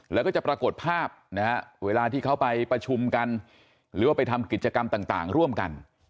แล้วก็จะปรากฏภาพนะฮะเวลาที่เขาไปประชุมกันหรือว่าไปทำกิจกรรมต่างร่วมกัน